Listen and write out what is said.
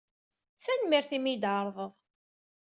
Tanemmirt imi ay iyi-d-tɛerḍeḍ.